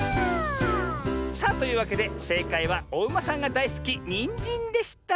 さあというわけでせいかいはおうまさんがだいすきニンジンでした。